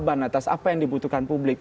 menjadi jawaban atas apa yang dibutuhkan publik